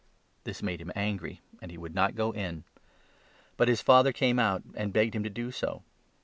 This made him angry, and he would not go in. But his father 28 came out and begged him to do so.